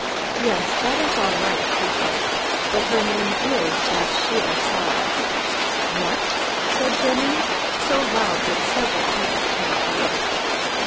"Yes, that is all right," he said, "but her name is Bathsheba Saul." "What?" said Jennings, so loud that several people turned to look.